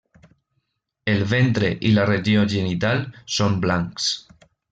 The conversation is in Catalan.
El ventre i la regió genital són blancs.